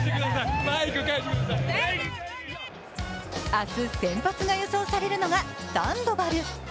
明日、先発が予想されるのがサンドバル。